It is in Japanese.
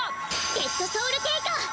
デッドソウルテイカー！